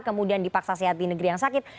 kemudian dipaksa sehat di negeri yang sakit